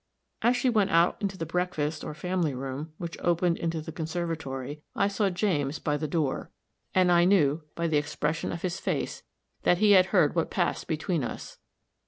As she went out into the breakfast, or family room, which opened into the conservatory, I saw James by the door, and I knew, by the expression of his face, that he had heard what passed between us.